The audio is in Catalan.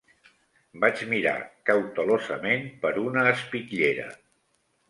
Vaig mirar cautelosament per una espitllera